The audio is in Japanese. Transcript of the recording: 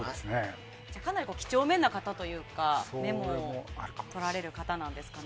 かなり几帳面な方というかメモをとられる方なんですかね。